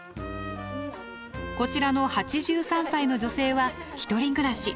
こちらの８３歳の女性は独り暮らし。